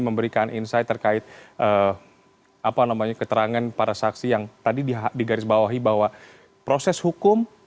memberikan insight terkait apa namanya keterangan para saksi yang tadi digarisbawahi bahwa proses hukum